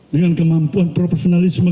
dengan kemampuan proporsionalisme